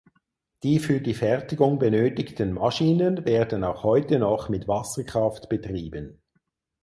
Die für die Fertigung benötigten Maschinen werden auch heute noch mit Wasserkraft betrieben.